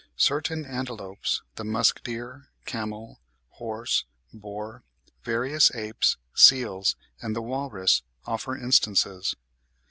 Certain antelopes, the musk deer, camel, horse, boar, various apes, seals, and the walrus, offer instances.